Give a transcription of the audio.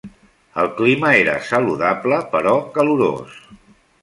El clima era saludable però calorós.